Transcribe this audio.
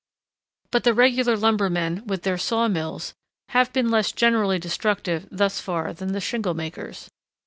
But the regular lumbermen, with their saw mills, have been, less generally destructive thus far than the shingle makers.